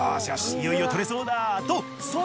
いよいよ取れそうだとその時！